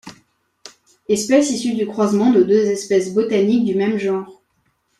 Espèces issues du croisement de deux espèces botaniques d'un même genre.